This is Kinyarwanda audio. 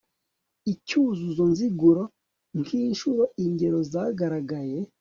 icyuzuzo nziguro k'inshuro ingero zagaragaye